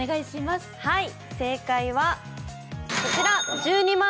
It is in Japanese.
正解は、こちら。